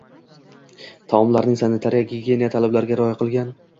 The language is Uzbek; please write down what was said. Taomlarning sanitariya-gigiyena talablariga rioya qilingan